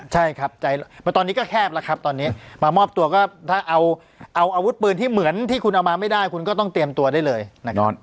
ใช่ครับใจตอนนี้ก็แคบแล้วครับตอนนี้มามอบตัวก็ถ้าเอาอาวุธปืนที่เหมือนที่คุณเอามาไม่ได้คุณก็ต้องเตรียมตัวได้เลยนะครับ